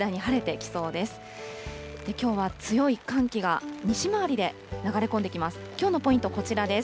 きょうは強い寒気が西回りで流れ込んできます。